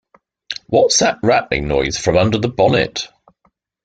What's that rattling noise from under the bonnet?